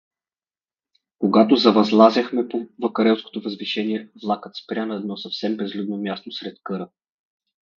Когато завъзлазяхме по вакарелското възвишение, влакът спря на едно съвсем безлюдно място сред къра.